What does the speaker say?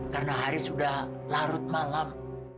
karena hari sudah larut malam